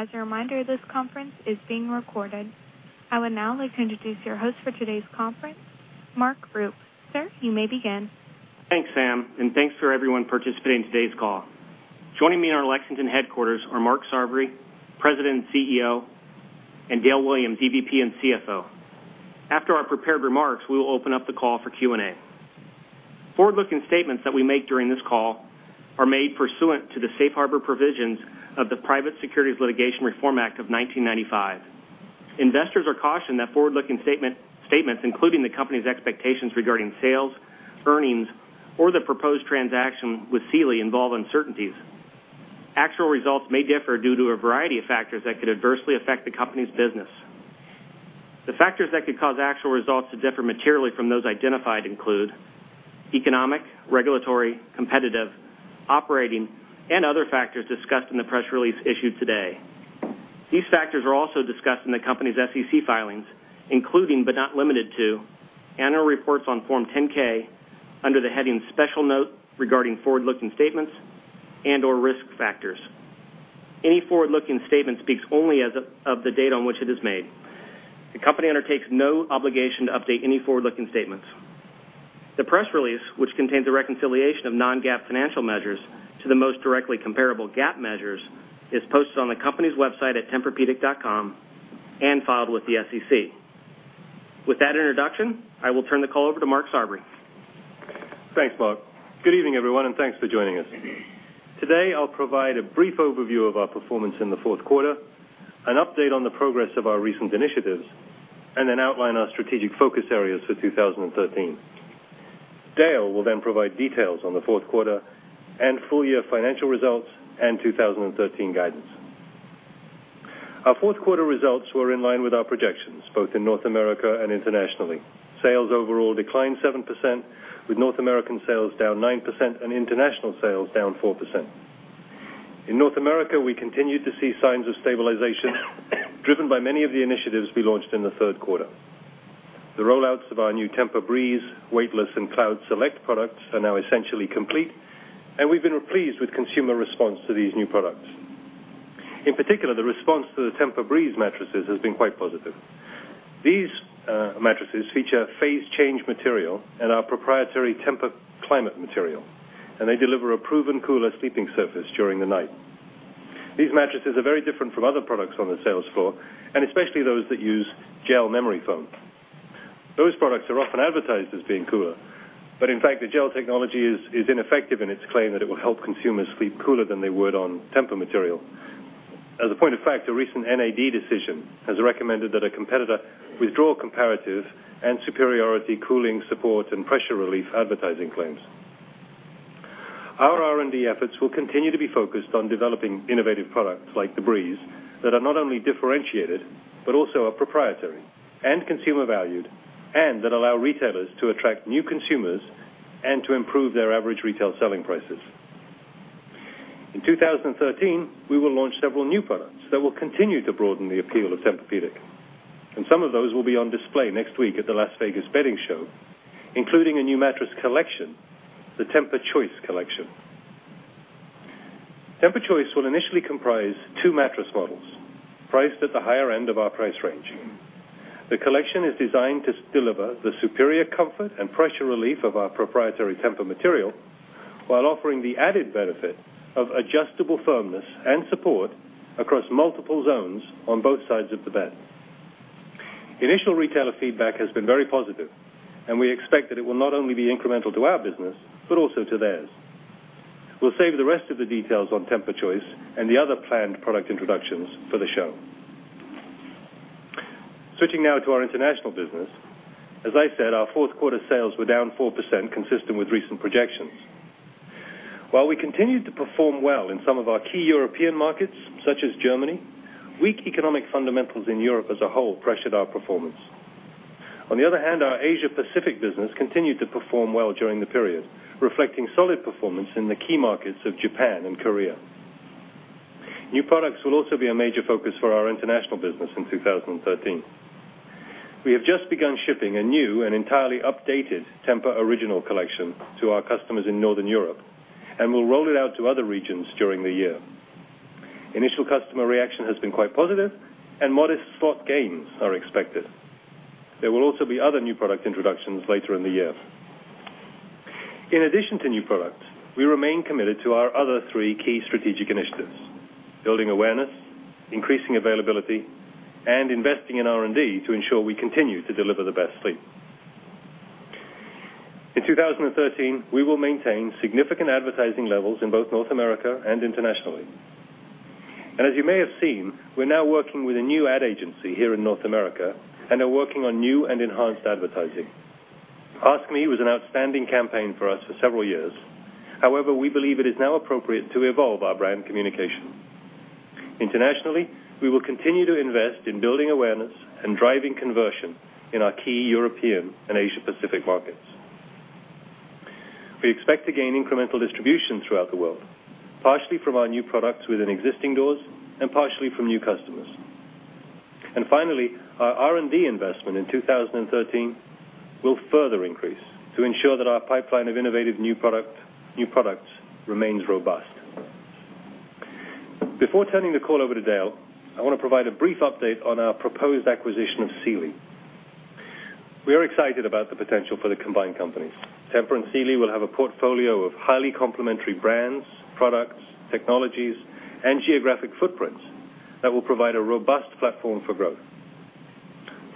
As a reminder, this conference is being recorded. I would now like to introduce your host for today's conference, Mark Rupe. Sir, you may begin. Thanks, Sam, thanks for everyone participating in today's call. Joining me in our Lexington headquarters are Mark Sarvary, President and CEO, and Dale Williams, EVP and CFO. After our prepared remarks, we will open up the call for Q&A. Forward-looking statements that we make during this call are made pursuant to the Safe Harbor Provisions of the Private Securities Litigation Reform Act of 1995. Investors are cautioned that forward-looking statements, including the company's expectations regarding sales, earnings, or the proposed transaction with Sealy, involve uncertainties. Actual results may differ due to a variety of factors that could adversely affect the company's business. The factors that could cause actual results to differ materially from those identified include economic, regulatory, competitive, operating, and other factors discussed in the press release issued today. These factors are also discussed in the company's SEC filings, including, but not limited to, annual reports on Form 10-K under the heading Special Note Regarding Forward-Looking Statements and/or Risk Factors. Any forward-looking statement speaks only as of the date on which it is made. The company undertakes no obligation to update any forward-looking statements. The press release, which contains a reconciliation of non-GAAP financial measures to the most directly comparable GAAP measures, is posted on the company's website at tempurpedic.com and filed with the SEC. With that introduction, I will turn the call over to Mark Sarbury. Thanks, Mark. Good evening, everyone, thanks for joining us. Today, I'll provide a brief overview of our performance in the fourth quarter, an update on the progress of our recent initiatives, and then outline our strategic focus areas for 2013. Dale will then provide details on the fourth quarter and full-year financial results and 2013 guidance. Our fourth quarter results were in line with our projections, both in North America and internationally. Sales overall declined 7%, with North American sales down 9% and international sales down 4%. In North America, we continued to see signs of stabilization driven by many of the initiatives we launched in the third quarter. The rollouts of our new TEMPUR-Breeze, Weightless, and Cloud Select products are now essentially complete, and we've been pleased with consumer response to these new products. In particular, the response to the TEMPUR-Breeze mattresses has been quite positive. These mattresses feature phase change material and our proprietary TEMPUR-CM+, They deliver a proven cooler sleeping surface during the night. These mattresses are very different from other products on the sales floor, Especially those that use gel memory foam. Those products are often advertised as being cooler, In fact, the gel technology is ineffective in its claim that it will help consumers sleep cooler than they would on TEMPUR material. As a point of fact, a recent NAD decision has recommended that a competitor withdraw comparative and superiority cooling support and pressure relief advertising claims. Our R&D efforts will continue to be focused on developing innovative products like the TEMPUR-Breeze that are not only differentiated but also are proprietary and consumer valued, That allow retailers to attract new consumers and to improve their average retail selling prices. In 2013, we will launch several new products that will continue to broaden the appeal of Tempur-Pedic, Some of those will be on display next week at the Las Vegas Market, including a new mattress collection, the TEMPUR-Choice collection. TEMPUR-Choice will initially comprise two mattress models priced at the higher end of our price range. The collection is designed to deliver the superior comfort and pressure relief of our proprietary TEMPUR material while offering the added benefit of adjustable firmness and support across multiple zones on both sides of the bed. Initial retailer feedback has been very positive, We expect that it will not only be incremental to our business, Also to theirs. We'll save the rest of the details on TEMPUR-Choice and the other planned product introductions for the show. Switching now to our international business. As I said, our fourth quarter sales were down 4%, consistent with recent projections. While we continued to perform well in some of our key European markets, such as Germany, weak economic fundamentals in Europe as a whole pressured our performance. On the other hand, our Asia Pacific business continued to perform well during the period, reflecting solid performance in the key markets of Japan and Korea. New products will also be a major focus for our international business in 2013. We have just begun shipping a new and entirely updated TEMPUR-Original collection to our customers in Northern Europe and will roll it out to other regions during the year. Modest slot gains are expected. There will also be other new product introductions later in the year. In addition to new products, we remain committed to our other three key strategic initiatives: building awareness, increasing availability, and investing in R&D to ensure we continue to deliver the best sleep. In 2013, we will maintain significant advertising levels in both North America and internationally. As you may have seen, we're now working with a new ad agency here in North America Are working on new and enhanced advertising. Ask Me was an outstanding campaign for us for several years. However, we believe it is now appropriate to evolve our brand communication. Internationally, we will continue to invest in building awareness and driving conversion in our key European and Asia Pacific markets. We expect to gain incremental distribution throughout the world, partially from our new products within existing doors and partially from new customers. Our R&D investment in 2013 will further increase to ensure that our pipeline of innovative new products remains robust. Before turning the call over to Dale, I want to provide a brief update on our proposed acquisition of Sealy. We are excited about the potential for the combined companies. Tempur and Sealy will have a portfolio of highly complementary brands, products, technologies, and geographic footprints that will provide a robust platform for growth.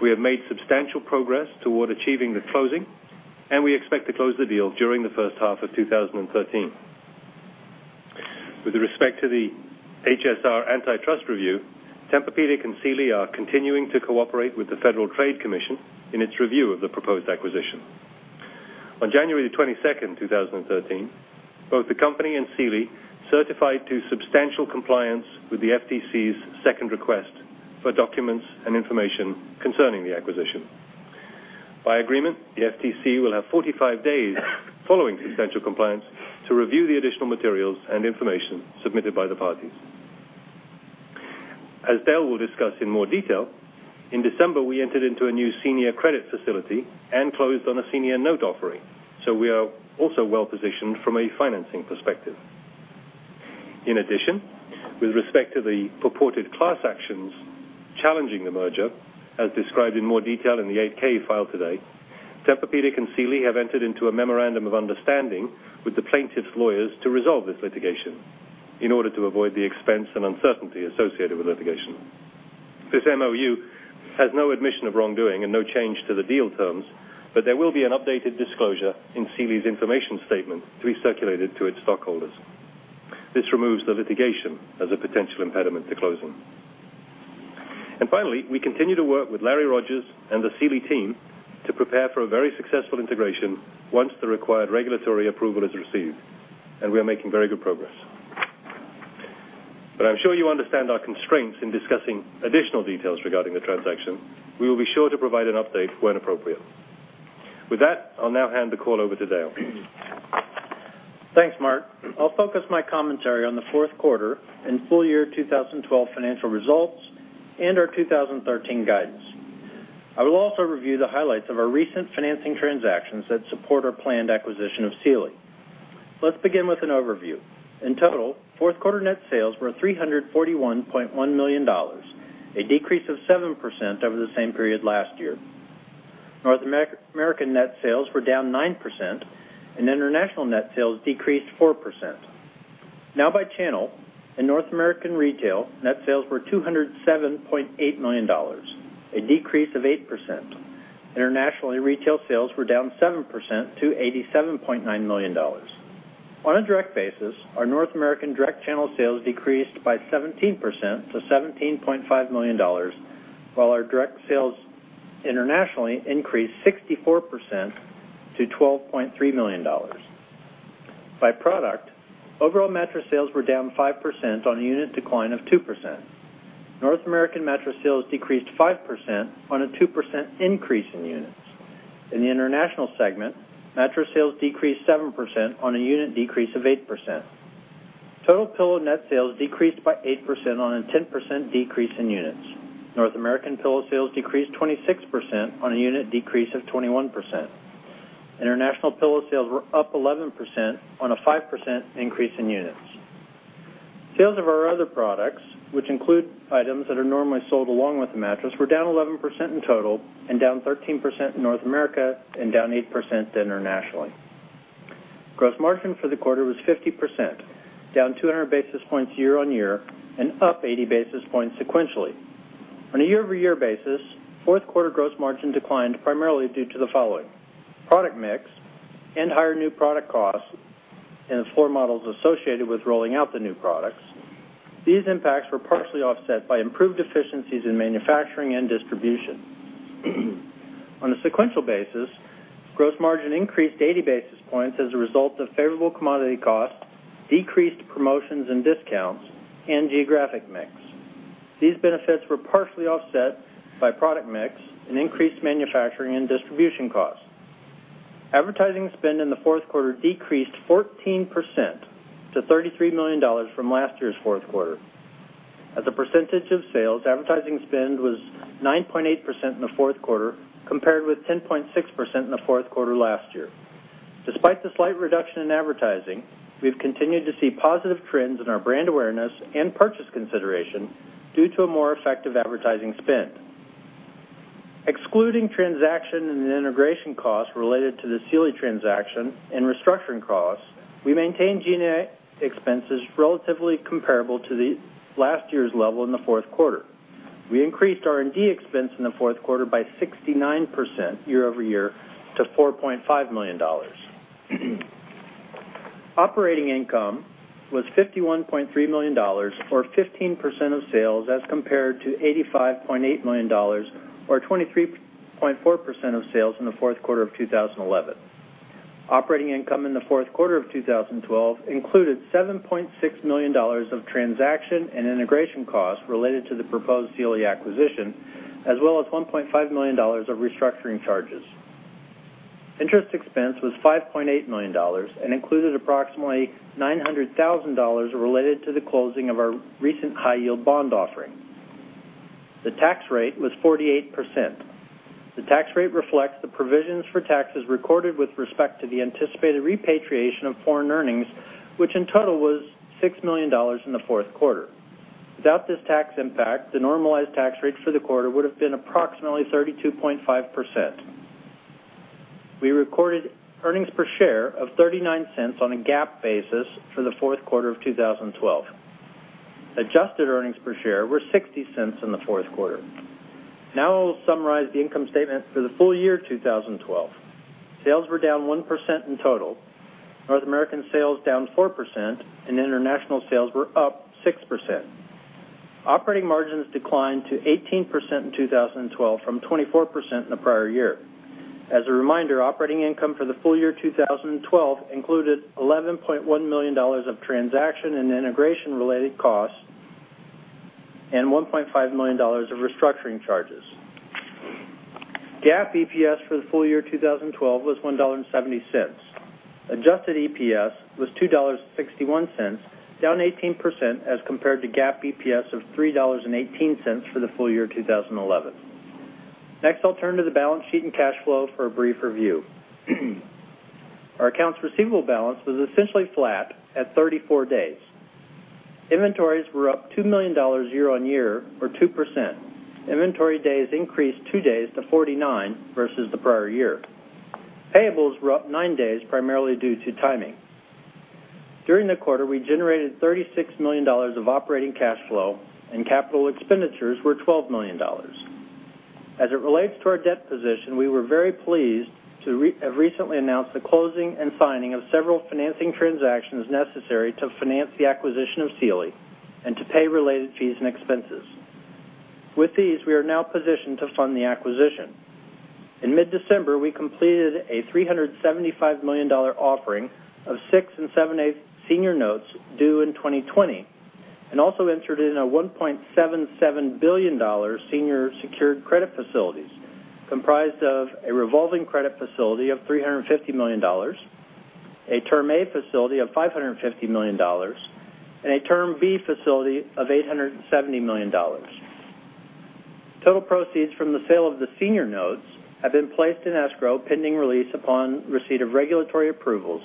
We have made substantial progress toward achieving the closing, and we expect to close the deal during the first half of 2013. With respect to the HSR antitrust review, Tempur-Pedic and Sealy are continuing to cooperate with the Federal Trade Commission in its review of the proposed acquisition. On January 22, 2013, both the company and Sealy certified to substantial compliance with the FTC's second request for documents and information concerning the acquisition. By agreement, the FTC will have 45 days following substantial compliance to review the additional materials and information submitted by the parties. As Dale will discuss in more detail, in December, we entered into a new senior credit facility and closed on a senior note offering, so we are also well-positioned from a financing perspective. In addition, with respect to the purported class actions challenging the merger, as described in more detail in the 8-K filed today, Tempur-Pedic and Sealy have entered into a memorandum of understanding with the plaintiffs' lawyers to resolve this litigation in order to avoid the expense and uncertainty associated with litigation. This MoU has no admission of wrongdoing and no change to the deal terms, but there will be an updated disclosure in Sealy's information statement to be circulated to its stockholders. This removes the litigation as a potential impediment to closing. Finally, we continue to work with Lawrence J. Rogers and the Sealy team to prepare for a very successful integration once the required regulatory approval is received, and we are making very good progress. But I'm sure you understand our constraints in discussing additional details regarding the transaction. We will be sure to provide an update when appropriate. With that, I'll now hand the call over to Dale. Thanks, Mark. I'll focus my commentary on the fourth quarter and full year 2012 financial results and our 2013 guidance. I will also review the highlights of our recent financing transactions that support our planned acquisition of Sealy. Let's begin with an overview. In total, fourth quarter net sales were $341.1 million, a decrease of 7% over the same period last year. North American net sales were down 9%, and international net sales decreased 4%. Now by channel. In North American retail, net sales were $207.8 million, a decrease of 8%. Internationally, retail sales were down 7% to $87.9 million. On a direct basis, our North American direct channel sales decreased by 17% to $17.5 million, while our direct sales internationally increased 64% to $12.3 million. By product, overall mattress sales were down 5% on a unit decline of 2%. North American mattress sales decreased 5% on a 2% increase in units. In the international segment, mattress sales decreased 7% on a unit decrease of 8%. Total pillow net sales decreased by 8% on a 10% decrease in units. North American pillow sales decreased 26% on a unit decrease of 21%. International pillow sales were up 11% on a 5% increase in units. Sales of our other products, which include items that are normally sold along with the mattress, were down 11% in total and down 13% in North America and down 8% internationally. Gross margin for the quarter was 50%, down 200 basis points year-over-year and up 80 basis points sequentially. On a year-over-year basis, fourth quarter gross margin declined primarily due to the following: product mix and higher new product costs and the floor models associated with rolling out the new products. These impacts were partially offset by improved efficiencies in manufacturing and distribution. On a sequential basis, gross margin increased 80 basis points as a result of favorable commodity costs, decreased promotions and discounts, and geographic mix. These benefits were partially offset by product mix and increased manufacturing and distribution costs. Advertising spend in the fourth quarter decreased 14% to $33 million from last year's fourth quarter. As a percentage of sales, advertising spend was 9.8% in the fourth quarter, compared with 10.6% in the fourth quarter last year. Despite the slight reduction in advertising, we've continued to see positive trends in our brand awareness and purchase consideration due to a more effective advertising spend. Excluding transaction and integration costs related to the Sealy transaction and restructuring costs, we maintained G&A expenses relatively comparable to last year's level in the fourth quarter. We increased R&D expense in the fourth quarter by 69% year-over-year to $4.5 million. Operating income was $51.3 million, or 15% of sales, as compared to $85.8 million, or 23.4% of sales in the fourth quarter of 2011. Operating income in the fourth quarter of 2012 included $7.6 million of transaction and integration costs related to the proposed Sealy acquisition, as well as $1.5 million of restructuring charges. Interest expense was $5.8 million and included approximately $900,000 related to the closing of our recent high-yield bond offering. The tax rate was 48%. The tax rate reflects the provisions for taxes recorded with respect to the anticipated repatriation of foreign earnings, which in total was $6 million in the fourth quarter. Without this tax impact, the normalized tax rate for the quarter would've been approximately 32.5%. We recorded earnings per share of $0.39 on a GAAP basis for the fourth quarter of 2012. Adjusted earnings per share were $0.60 in the fourth quarter. Now, I'll summarize the income statement for the full year 2012. Sales were down 1% in total. North American sales down 4%, and international sales were up 6%. Operating margins declined to 18% in 2012 from 24% in the prior year. As a reminder, operating income for the full year 2012 included $11.1 million of transaction and integration-related costs and $1.5 million of restructuring charges. GAAP EPS for the full year 2012 was $1.70. Adjusted EPS was $2.61, down 18% as compared to GAAP EPS of $3.18 for the full year 2011. Next, I'll turn to the balance sheet and cash flow for a brief review. Our accounts receivable balance was essentially flat at 34 days. Inventories were up $2 million year-on-year, or 2%. Inventory days increased two days to 49 versus the prior year. Payables were up nine days, primarily due to timing. During the quarter, we generated $36 million of operating cash flow, and capital expenditures were $12 million. As it relates to our debt position, we were very pleased to have recently announced the closing and signing of several financing transactions necessary to finance the acquisition of Sealy and to pay related fees and expenses. With these, we are now positioned to fund the acquisition. In mid-December, we completed a $375 million offering of six and seven-eight senior notes due in 2020, and also entered in a $1.77 billion senior secured credit facilities comprised of a revolving credit facility of $350 million, a Term A facility of $550 million, and a Term B facility of $870 million. Total proceeds from the sale of the senior notes have been placed in escrow, pending release upon receipt of regulatory approvals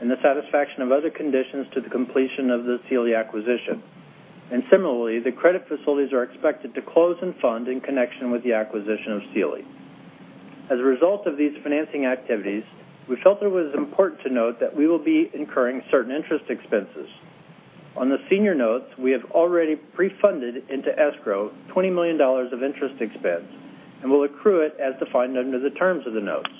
and the satisfaction of other conditions to the completion of the Sealy acquisition. Similarly, the credit facilities are expected to close and fund in connection with the acquisition of Sealy. As a result of these financing activities, we felt it was important to note that we will be incurring certain interest expenses. On the senior notes, we have already pre-funded into escrow $20 million of interest expense and will accrue it as defined under the terms of the notes.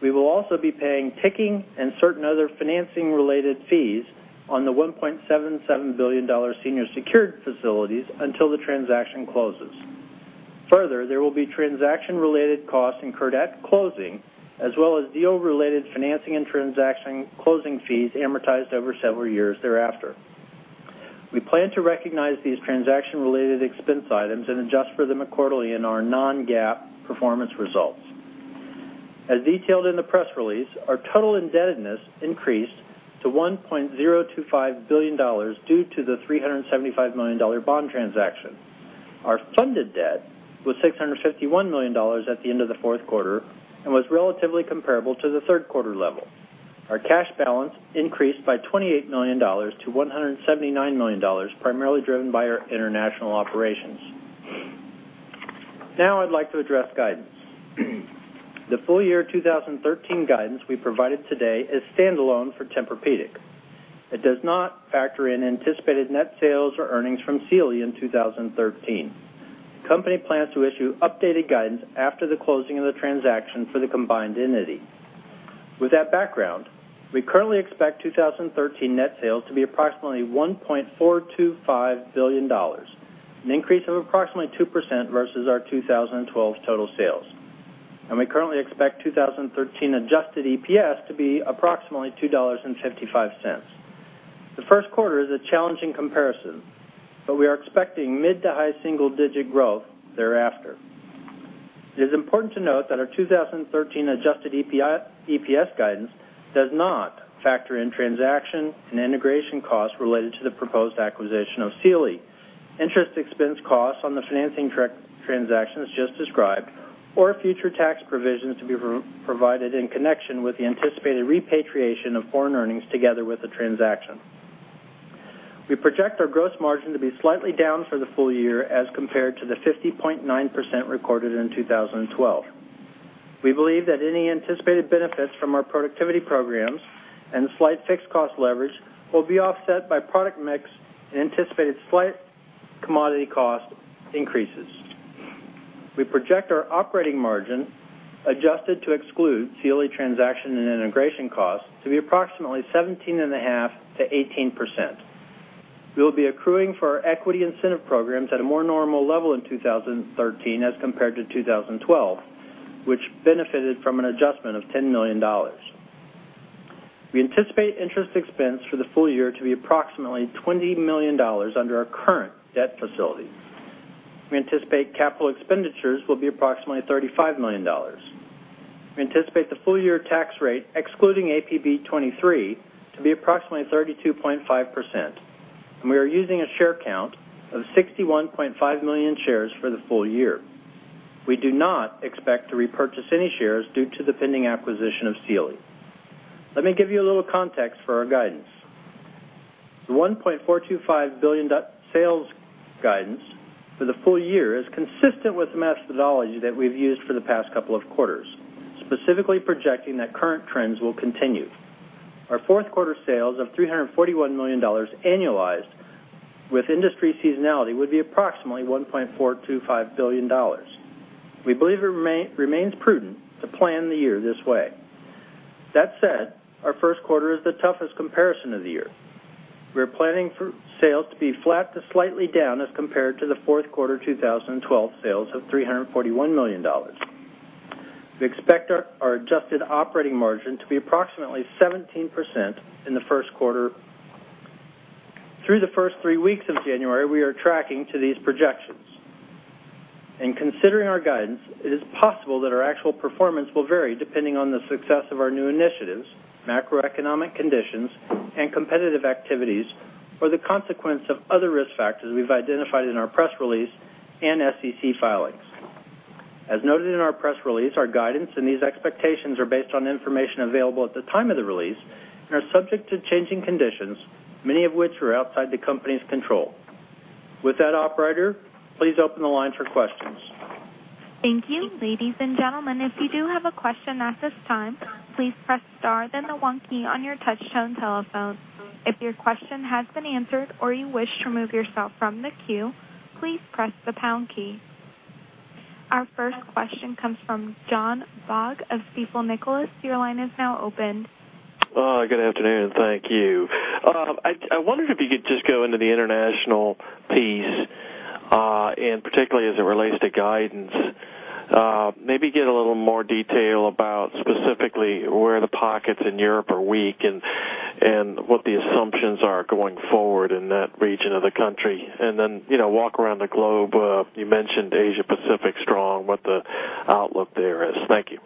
We will also be paying ticking and certain other financing-related fees on the $1.77 billion senior secured facilities until the transaction closes. Further, there will be transaction-related costs incurred at closing as well as deal-related financing and transaction closing fees amortized over several years thereafter. We plan to recognize these transaction-related expense items and adjust for them quarterly in our non-GAAP performance results. As detailed in the press release, our total indebtedness increased to $1.025 billion due to the $375 million bond transaction. Our funded debt was $651 million at the end of the fourth quarter and was relatively comparable to the third quarter level. Our cash balance increased by $28 million to $179 million, primarily driven by our international operations. Now I'd like to address guidance. The full year 2013 guidance we provided today is standalone for Tempur-Pedic. It does not factor in anticipated net sales or earnings from Sealy in 2013. The company plans to issue updated guidance after the closing of the transaction for the combined entity. With that background, we currently expect 2013 net sales to be approximately $1.425 billion, an increase of approximately 2% versus our 2012 total sales. We currently expect 2013 adjusted EPS to be approximately $2.55. The first quarter is a challenging comparison, but we are expecting mid to high single-digit growth thereafter. It is important to note that our 2013 adjusted EPS guidance does not factor in transaction and integration costs related to the proposed acquisition of Sealy, interest expense costs on the financing transactions just described, or future tax provisions to be provided in connection with the anticipated repatriation of foreign earnings together with the transaction. We project our gross margin to be slightly down for the full year as compared to the 50.9% recorded in 2012. We believe that any anticipated benefits from our productivity programs and the slight fixed cost leverage will be offset by product mix and anticipated slight commodity cost increases. We project our operating margin, adjusted to exclude Sealy transaction and integration costs, to be approximately 17.5%-18%. We'll be accruing for our equity incentive programs at a more normal level in 2013 as compared to 2012, which benefited from an adjustment of $10 million. We anticipate interest expense for the full year to be approximately $20 million under our current debt facility. We anticipate capital expenditures will be approximately $35 million. We anticipate the full year tax rate, excluding APB 23, to be approximately 32.5%, and we are using a share count of 61.5 million shares for the full year. We do not expect to repurchase any shares due to the pending acquisition of Sealy. Let me give you a little context for our guidance. The $1.425 billion sales guidance for the full year is consistent with the methodology that we've used for the past couple of quarters, specifically projecting that current trends will continue. Our fourth quarter sales of $341 million annualized with industry seasonality would be approximately $1.425 billion. We believe it remains prudent to plan the year this way. That said, our first quarter is the toughest comparison of the year. We're planning for sales to be flat to slightly down as compared to the fourth quarter 2012 sales of $341 million. We expect our adjusted operating margin to be approximately 17% in the first quarter. Through the first three weeks of January, we are tracking to these projections. In considering our guidance, it is possible that our actual performance will vary depending on the success of our new initiatives, macroeconomic conditions, and competitive activities, or the consequence of other risk factors we've identified in our press release and SEC filings. As noted in our press release, our guidance and these expectations are based on information available at the time of the release and are subject to changing conditions, many of which are outside the company's control. With that, operator, please open the line for questions. Thank you. Ladies and gentlemen, if you do have a question at this time, please press star, then the 1 key on your touchtone telephone. If your question has been answered or you wish to remove yourself from the queue, please press the pound key. Our first question comes from John Baugh of Stifel Nicolaus. Your line is now open. Good afternoon. Thank you. I wondered if you could just go into the international piece, particularly as it relates to guidance. Maybe give a little more detail about specifically where the pockets in Europe are weak and what the assumptions are going forward in that region of the country. Then walk around the globe. You mentioned Asia Pacific strong, what the outlook there is. Thank you.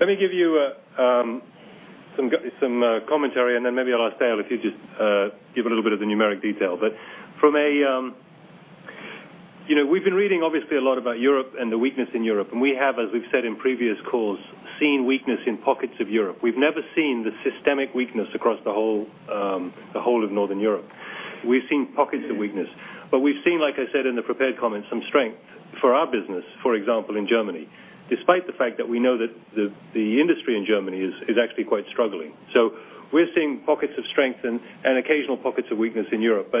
Let me give you some commentary, then maybe I'll ask Dale if he'd just give a little bit of the numeric detail. We've been reading obviously a lot about Europe and the weakness in Europe, we have, as we've said in previous calls, seen weakness in pockets of Europe. We've never seen the systemic weakness across the whole of Northern Europe. We've seen pockets of weakness. We've seen, like I said in the prepared comments, some strength for our business, for example, in Germany, despite the fact that we know that the industry in Germany is actually quite struggling. We're seeing pockets of strength and occasional pockets of weakness in Europe.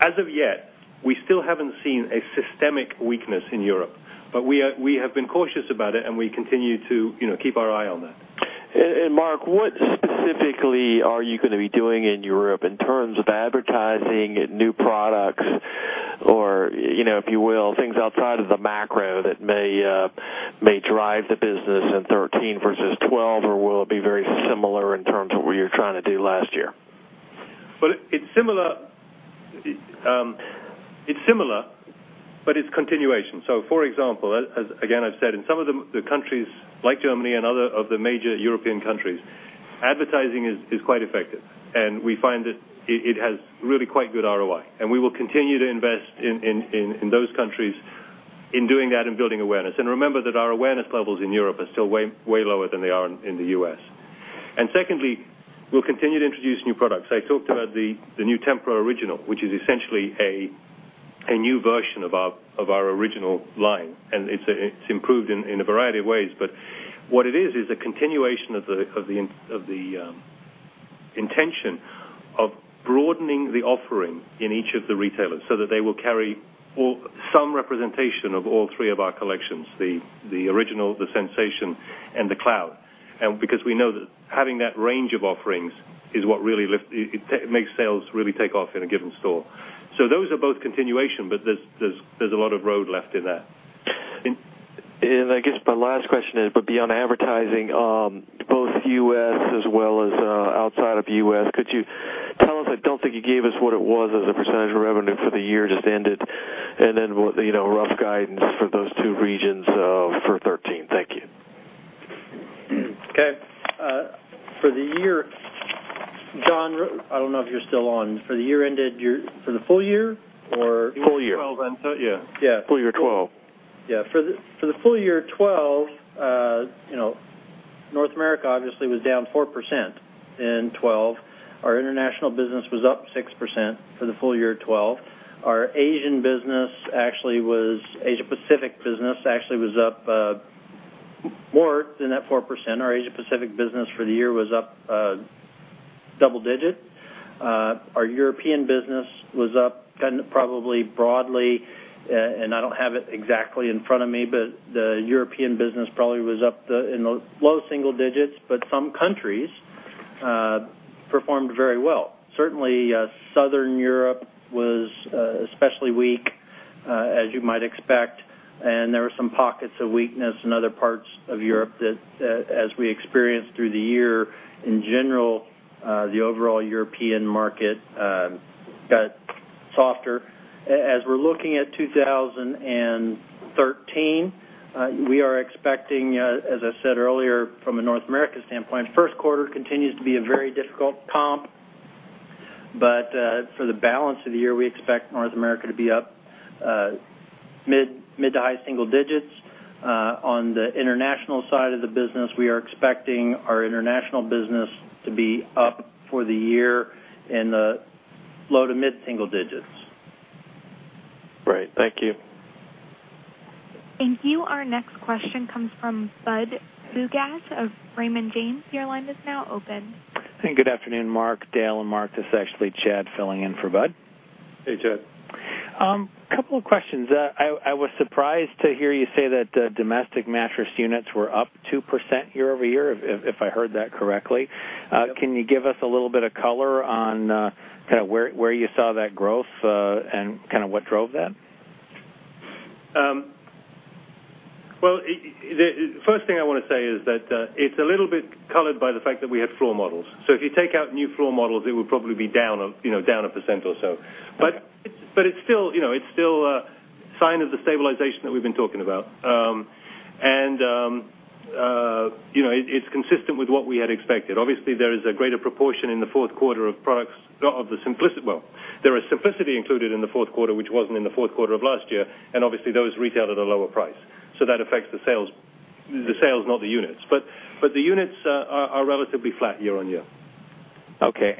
As of yet, we still haven't seen a systemic weakness in Europe, we have been cautious about it, and we continue to keep our eye on that. Mark, what specifically are you going to be doing in Europe in terms of advertising new products or, if you will, things outside of the macro that may drive the business in 2013 versus 2012? Will it be very similar in terms of what you were trying to do last year? It's similar, but it's continuation. For example, as again, I've said, in some of the countries like Germany and other of the major European countries, advertising is quite effective, we find that it has really quite good ROI, and we will continue to invest in those countries in doing that and building awareness. Remember that our awareness levels in Europe are still way lower than they are in the U.S. Secondly, we'll continue to introduce new products. I talked about the new TEMPUR-Original, which is essentially a new version of our original line, and it's improved in a variety of ways. What it is a continuation of the intention of broadening the offering in each of the retailers so that they will carry some representation of all three of our collections, the Original, the TEMPUR-Sensation, and the TEMPUR-Cloud. We know that having that range of offerings is what really makes sales really take off in a given store. Those are both continuation, but there's a lot of road left in that. I guess my last question is, but beyond advertising, both U.S. as well as outside of U.S., could you tell us, I don't think you gave us what it was as a percentage of revenue for the year just ended, and then rough guidance for those two regions for 2013. Thank you. For the year, John, I don't know if you're still on. For the full year or? Full year. 2012 then. Yeah. Yeah. Full year 2012. For the full year 2012, North America obviously was down 4% in 2012. Our international business was up 6% for the full year 2012. Our Asia Pacific business actually was up more than that 4%. Our Asia Pacific business for the year was up double digit. Our European business was up probably broadly, and I don't have it exactly in front of me, but the European business probably was up in the low single digits, but some countries performed very well. Certainly, Southern Europe was especially weak As you might expect, there were some pockets of weakness in other parts of Europe that as we experienced through the year, in general, the overall European market got softer. As we're looking at 2013, we are expecting, as I said earlier from a North America standpoint, first quarter continues to be a very difficult comp, but for the balance of the year, we expect North America to be up mid to high single digits. On the international side of the business, we are expecting our international business to be up for the year in the low to mid-single digits. Great. Thank you. Thank you. Our next question comes from Budd Bugatch of Raymond James. Your line is now open. Good afternoon, Mark, Dale, and Mark. This is actually Chad filling in for Budd. Hey, Chad. A couple of questions. I was surprised to hear you say that domestic mattress units were up 2% year-over-year, if I heard that correctly. Yep. Can you give us a little bit of color on where you saw that growth and what drove that? Well, first thing I want to say is that it's a little bit colored by the fact that we had floor models. If you take out new floor models, it would probably be down a percent or so. Okay. It's still a sign of the stabilization that we've been talking about. It's consistent with what we had expected. Obviously, there is a greater proportion in the fourth quarter of products of the TEMPUR-Simplicity. Well, there is TEMPUR-Simplicity included in the fourth quarter, which wasn't in the fourth quarter of last year, and obviously those retailed at a lower price. That affects the sales, not the units. The units are relatively flat year-on-year. Okay.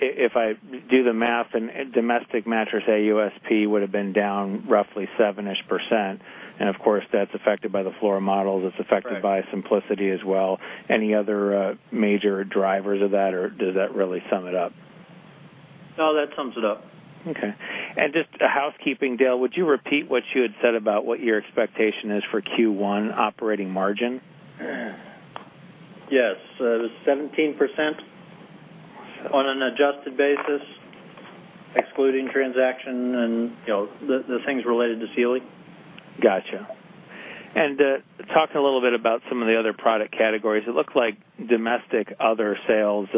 If I do the math and domestic mattress AUSP would've been down roughly 7%-ish, and of course, that's affected by the floor models. Correct It's affected by TEMPUR-Simplicity as well. Any other major drivers of that, or does that really sum it up? No, that sums it up. Okay. Just a housekeeping, Dale, would you repeat what you had said about what your expectation is for Q1 operating margin? Yes. 17% on an adjusted basis, excluding transaction and the things related to Sealy. Got you. Talk a little bit about some of the other product categories. It looks like domestic other sales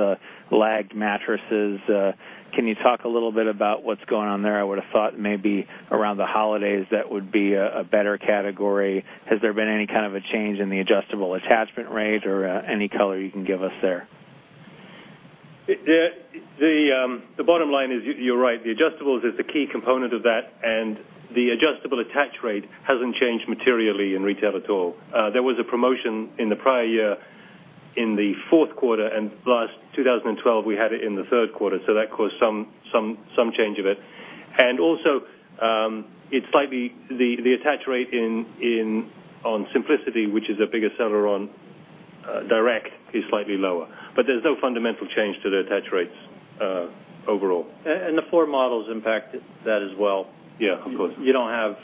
lagged mattresses. Can you talk a little bit about what's going on there? I would've thought maybe around the holidays that would be a better category. Has there been any kind of a change in the adjustable attachment rate or any color you can give us there? The bottom line is you're right, the adjustables is the key component of that, the adjustable attach rate hasn't changed materially in retail at all. There was a promotion in the prior year in the fourth quarter, last 2012, we had it in the third quarter, so that caused some change of it. Also, the attach rate on TEMPUR-Simplicity, which is our biggest seller on direct, is slightly lower. There's no fundamental change to the attach rates overall. The floor models impact that as well. Yeah, of course. You don't have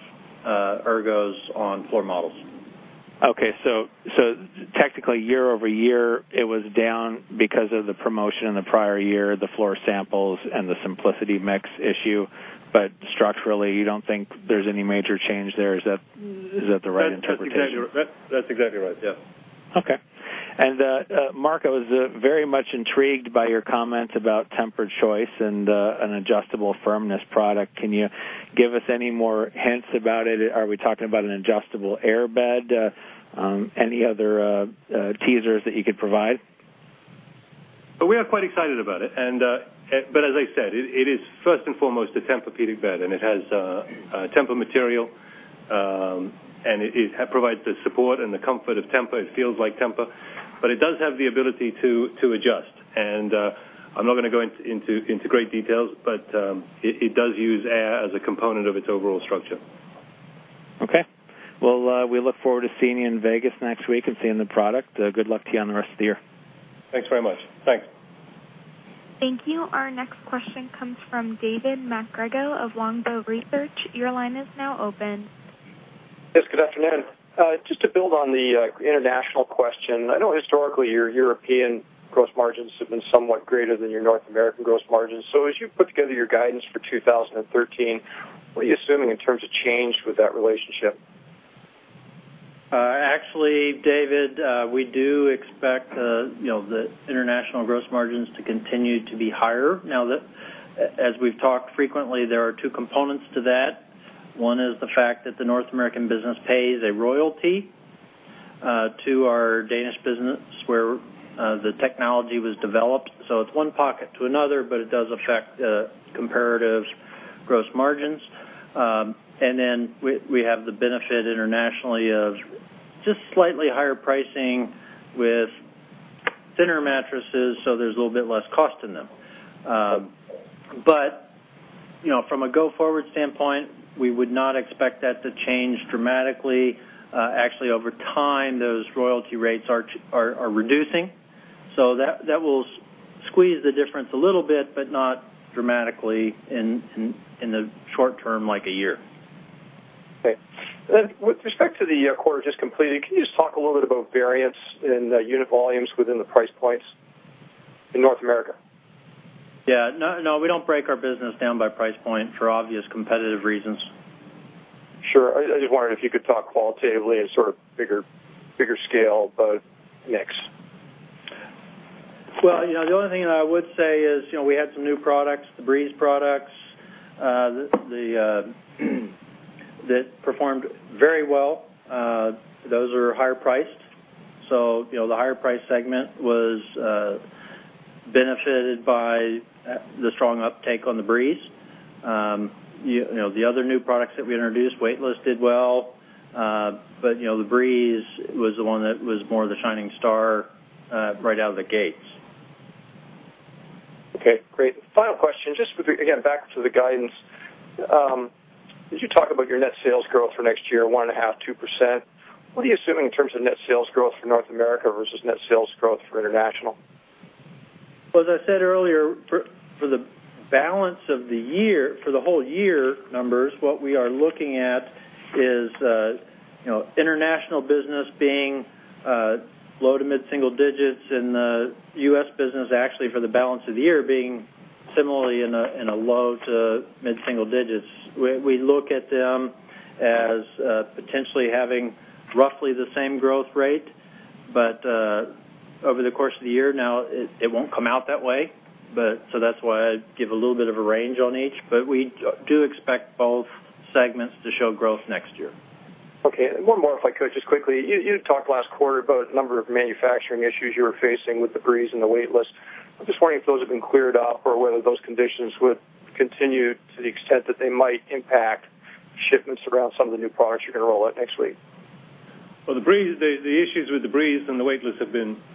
Ergos on floor models. Technically year-over-year, it was down because of the promotion in the prior year, the floor samples, and the TEMPUR-Simplicity mix issue. Structurally, you don't think there's any major change there. Is that the right interpretation? That's exactly right. Yes. Mark, I was very much intrigued by your comments about TEMPUR-Choice and an adjustable firmness product. Can you give us any more hints about it? Are we talking about an adjustable airbed? Any other teasers that you could provide? We are quite excited about it. As I said, it is first and foremost a Tempur-Pedic bed, and it has TEMPUR material, and it provides the support and the comfort of TEMPUR. It feels like TEMPUR. It does have the ability to adjust. I'm not going to go into great details, but it does use air as a component of its overall structure. Okay. Well, we look forward to seeing you in Vegas next week and seeing the product. Good luck to you on the rest of the year. Thanks very much. Thanks. Thank you. Our next question comes from David MacGregor of Longbow Research. Your line is now open. Yes, good afternoon. Just to build on the international question, I know historically your European gross margins have been somewhat greater than your North American gross margins. As you put together your guidance for 2013, what are you assuming in terms of change with that relationship? Actually, David, we do expect the international gross margins to continue to be higher now that as we've talked frequently, there are two components to that. One is the fact that the North American business pays a royalty to our Danish business where the technology was developed, so it's one pocket to another, but it does affect comparatives gross margins. We have the benefit internationally of just slightly higher pricing with thinner mattresses, so there's a little bit less cost in them. From a go-forward standpoint, we would not expect that to change dramatically. Actually, over time, those royalty rates are reducing, so that will squeeze the difference a little bit, but not dramatically in the short term, like a year. Okay. With respect to the quarter just completed, can you just talk a little bit about variance in unit volumes within the price points in North America? Yeah. No, we don't break our business down by price point for obvious competitive reasons. Sure. I just wondered if you could talk qualitatively as sort of bigger scale about mix. Well, the only thing that I would say is, we had some new products, the TEMPUR-Breeze products, that performed very well. Those are higher priced. The higher price segment was benefited by the strong uptake on the TEMPUR-Breeze. The other new products that we introduced, TEMPUR-Weightless, did well. The TEMPUR-Breeze was the one that was more the shining star right out of the gates. Okay, great. Final question. Just with, again, back to the guidance. As you talk about your net sales growth for next year, 1.5%-2%, what are you assuming in terms of net sales growth for North America versus net sales growth for international? Well, as I said earlier, for the balance of the year, for the whole year numbers, what we are looking at is international business being low to mid-single digits and the U.S. business actually for the balance of the year being similarly in a low to mid-single digits. We look at them as potentially having roughly the same growth rate. Over the course of the year now, it won't come out that way. That's why I give a little bit of a range on each, but we do expect both segments to show growth next year. Okay, one more if I could just quickly. You had talked last quarter about a number of manufacturing issues you were facing with the Breeze and the TEMPUR-Weightless. I'm just wondering if those have been cleared up or whether those conditions would continue to the extent that they might impact shipments around some of the new products you're going to roll out next week. Well, the issues with the Breeze and the TEMPUR-Weightless have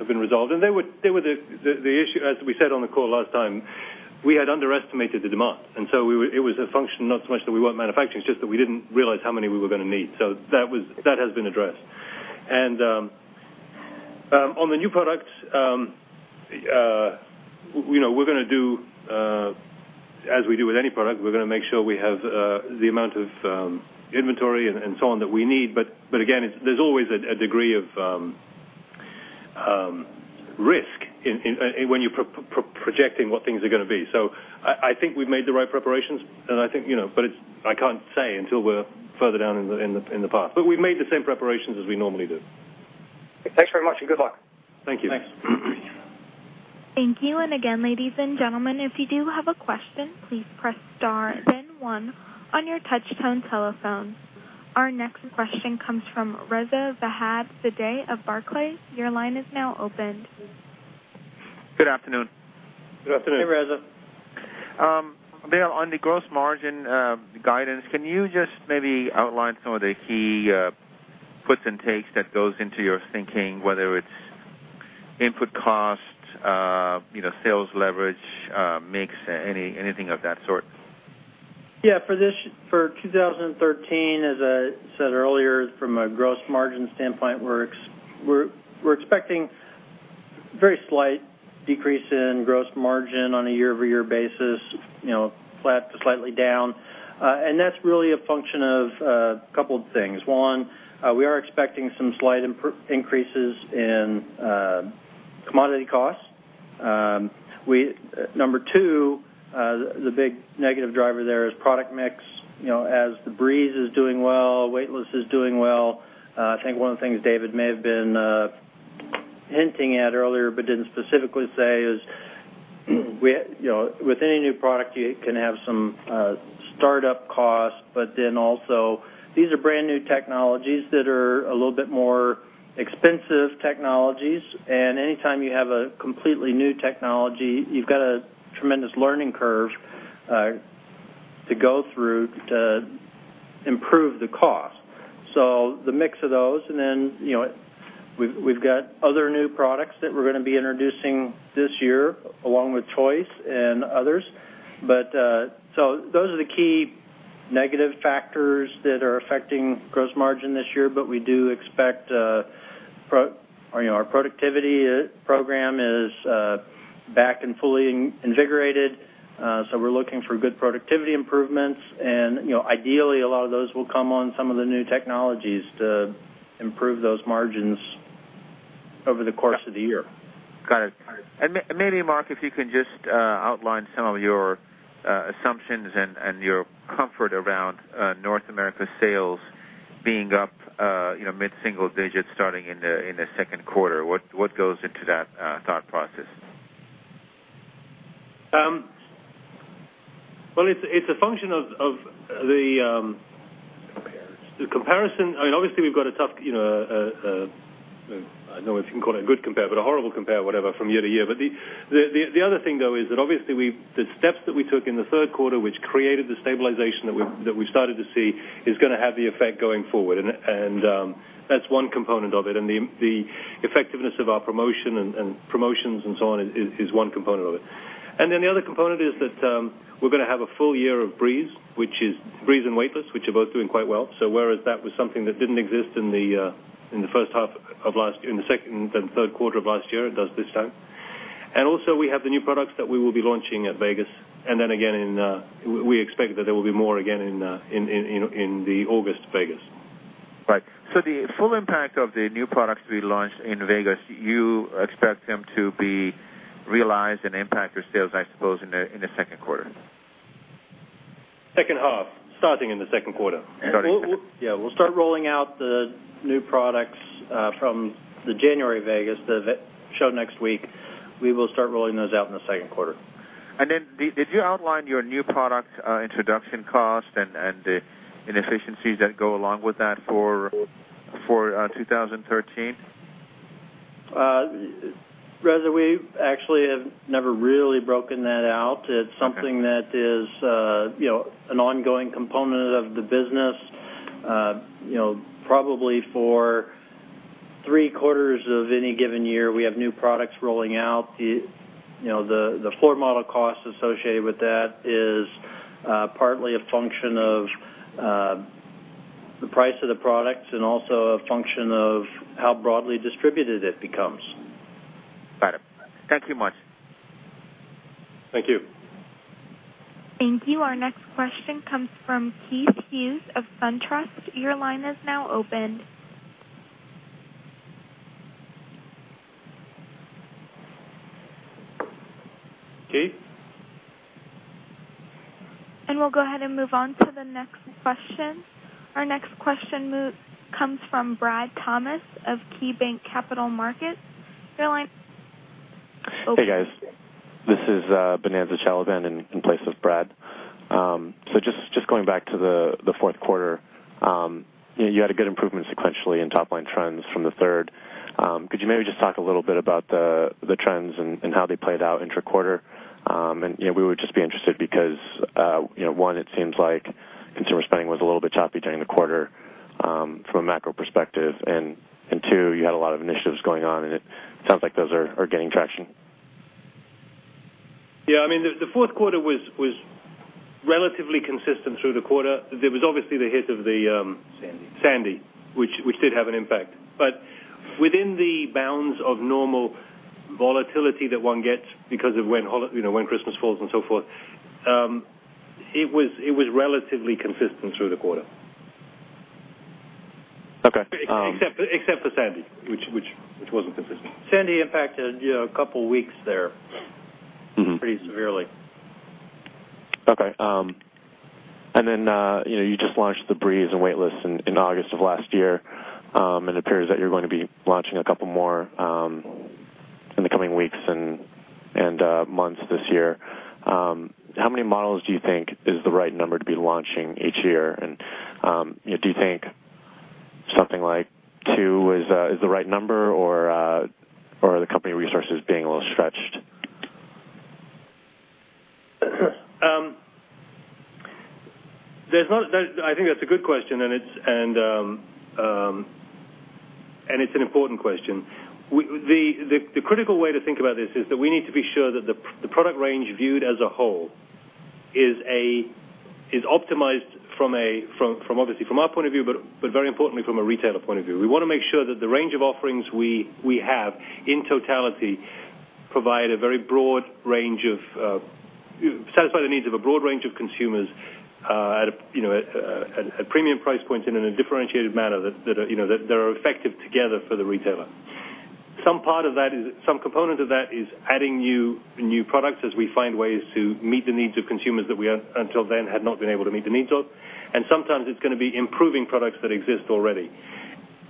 been resolved. As we said on the call last time, we had underestimated the demand. It was a function not so much that we weren't manufacturing, it's just that we didn't realize how many we were going to need. That has been addressed. On the new product, as we do with any product, we're going to make sure we have the amount of inventory and so on that we need. Again, there's always a degree of risk when you're projecting what things are going to be. I think we've made the right preparations. I can't say until we're further down in the path. We've made the same preparations as we normally do. Thanks very much and good luck. Thank you. Thanks. Thank you. Again, ladies and gentlemen, if you do have a question, please press star then one on your touchtone telephone. Our next question comes from Reza Vahabian of Barclays. Your line is now open. Good afternoon. Good afternoon. Hey, Reza. Dale, on the gross margin guidance, can you just maybe outline some of the key puts and takes that goes into your thinking, whether it's input costs, sales leverage, mix, anything of that sort? Yeah. For 2013, as I said earlier, from a gross margin standpoint, we're expecting very slight decrease in gross margin on a year-over-year basis, flat to slightly down. That's really a function of a couple of things. One, we are expecting some slight increases in commodity costs. Number 2, the big negative driver there is product mix. As the Breeze is doing well, TEMPUR-Weightless is doing well. I think one of the things David may have been hinting at earlier but didn't specifically say is, with any new product, you can have some startup costs, but then also these are brand-new technologies that are a little bit more expensive technologies, and anytime you have a completely new technology, you've got a tremendous learning curve to go through to improve the cost. The mix of those, we've got other new products that we're going to be introducing this year along with Choice and others. Those are the key negative factors that are affecting gross margin this year. Our productivity program is back and fully invigorated. We're looking for good productivity improvements and ideally, a lot of those will come on some of the new technologies to improve those margins over the course of the year. Got it. Maybe, Mark, if you can just outline some of your assumptions and your comfort around North America sales being up mid-single digits starting in the second quarter. What goes into that thought process? Well, it's a function of. Comparison The comparison. Obviously, we've got a tough, I don't know if you can call it a good compare, but a horrible compare, whatever, from year to year. The other thing, though, is that obviously, the steps that we took in the third quarter, which created the stabilization that we started to see, is going to have the effect going forward. That's one component of it. The effectiveness of our promotions and so on is one component of it. The other component is that we're going to have a full year of Breeze and TEMPUR-Weightless, which are both doing quite well. Whereas that was something that didn't exist in the third quarter of last year, it does this time. Also, we have the new products that we will be launching at Vegas. Again, we expect that there will be more again in the August Vegas. Right. The full impact of the new products to be launched in Vegas, you expect them to be realized and impact your sales, I suppose, in the second quarter. Second half, starting in the second quarter. Starting in the second quarter. Yeah. We will start rolling out the new products from the January Vegas show next week. We will start rolling those out in the second quarter. Then did you outline your new product introduction cost and the inefficiencies that go along with that for 2013? Reza, we actually have never really broken that out. Okay. It's something that is an ongoing component of the business. Probably for three quarters of any given year, we have new products rolling out. The floor model cost associated with that is partly a function of the price of the products and also a function of how broadly distributed it becomes. Got it. Thank you much. Thank you. Thank you. Our next question comes from Keith Hughes of SunTrust. Your line is now open. Keith? We'll go ahead and move on to the next question. Our next question comes from Brad Thomas of KeyBanc Capital Markets. Your line's open. Hey, guys. This is Bhavna Shah in place of Brad. Just going back to the fourth quarter, you had a good improvement sequentially in top-line trends from the third. Could you maybe just talk a little bit about the trends and how they played out intra-quarter? And we would just be interested because, one, it seems like consumer spending was a little bit choppy during the quarter from a macro perspective, and two, you had a lot of initiatives going on, and it sounds like those are gaining traction. Yeah. The fourth quarter was relatively consistent through the quarter. There was obviously the hit of. Sandy Sandy, which did have an impact. Within the bounds of normal volatility that one gets because of when Christmas falls and so forth, it was relatively consistent through the quarter. Okay. Except for Sandy, which wasn't consistent. Sandy impacted a couple of weeks there. pretty severely. Okay. Then you just launched the Breeze and Weightless in August of last year. It appears that you're going to be launching a couple more in the coming weeks and months this year. How many models do you think is the right number to be launching each year? Do you think something like two is the right number, or are the company resources being a little stretched? I think that's a good question, and it's an important question. The critical way to think about this is that we need to be sure that the product range viewed as a whole is optimized obviously from our point of view, but very importantly, from a retailer point of view. We want to make sure that the range of offerings we have in totality satisfy the needs of a broad range of consumers at a premium price point and in a differentiated manner that are effective together for the retailer. Some component of that is adding new products as we find ways to meet the needs of consumers that we, until then, had not been able to meet the needs of, and sometimes it's going to be improving products that exist already.